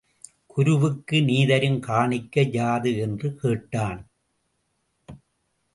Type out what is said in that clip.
குருவுக்கு நீ தரும் காணிக்கை யாது? என்று கேட்டான்.